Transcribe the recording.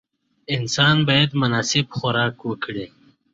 Both versions featured the same track listing.